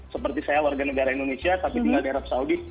seperti saya warga negara indonesia tapi tinggal di arab saudi